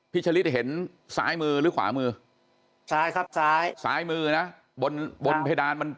ชะลิดเห็นซ้ายมือหรือขวามือซ้ายครับซ้ายซ้ายมือนะบนบนเพดานมัน